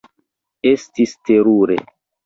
Estis terure.